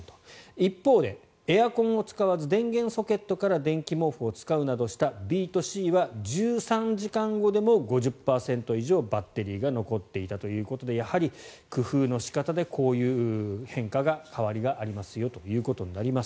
一方で、エアコンを使わず電源ソケットから電気毛布を使うなどしたＢとＣは１３時間後でも５０％以上バッテリーが残っていたということでやはり、工夫の仕方でこういう変化、変わりがありますよということになります。